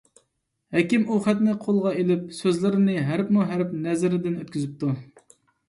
ھەكىم ئۇ خەتنى قولىغا ئېلىپ، سۆزلىرىنى ھەرپمۇ ھەرپ نەزىرىدىن ئۆتكۈزۈپتۇ.